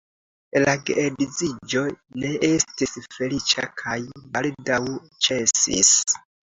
La geedziĝo ne estis feliĉa kaj baldaŭ ĉesis.